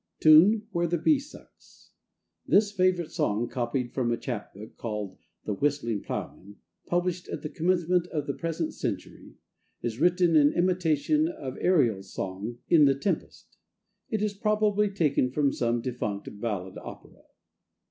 Tune, Where the bee sucks. [THIS favourite song, copied from a chap book called The Whistling Ploughman, published at the commencement of the present century, is written in imitation of Ariel's song, in the Tempest. It is probably taken from some defunct ballad opera.